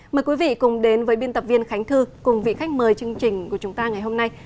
mời quý vị cùng đến với biên tập viên khánh thư cùng vị khách mời chương trình của chúng ta ngày hôm nay